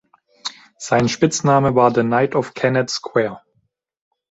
Sein Spitzname war "The Knight of Kennett Square".